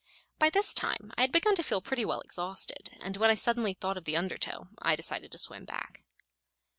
By this time I had begun to feel pretty well exhausted, and when I suddenly thought of the undertow, I decided to swim back.